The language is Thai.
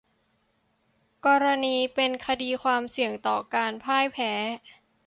กรณีเป็นคดีความเสี่ยงต่อการพ่ายแพ้